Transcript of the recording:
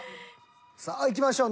さあいきましょう。